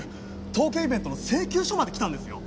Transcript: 刀剣イベントの請求書まで来たんですよ。